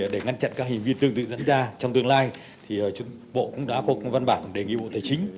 để ngăn chặn các hình viên tương tự dẫn ra trong tương lai bộ cũng đã có văn bản đề nghị bộ tài chính